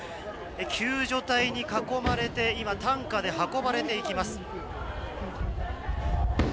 救助隊に囲まれて今、担架で運ばれていきます。